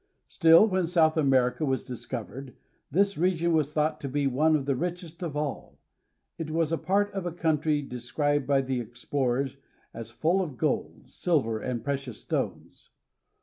Still, when South America was discovered this region was thought to be one of the richest of all. It was a part of a country described by the explorers as full of gold, silver, and precious stones.